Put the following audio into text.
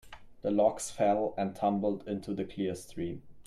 The logs fell and tumbled into the clear stream.